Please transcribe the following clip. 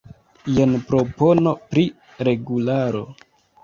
Jen propono pri regularo.